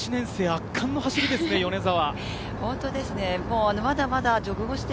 高橋さん、この１年生、圧巻の走りですね、米澤。